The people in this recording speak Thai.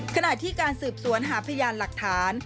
ขณะที่การสืบสวนหาพยานหลักฐาน